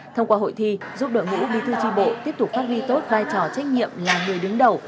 thông qua hội thi giúp đội ngũ bí thư tri bộ tiếp tục phát huy tốt vai trò trách nhiệm là người đứng đầu